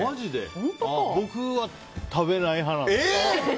僕は食べない派なんです。